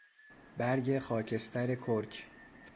برگ خاکستر کرک